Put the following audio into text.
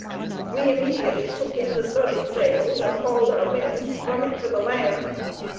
We immediately took in the studding sails and hauled our wind, running for the land.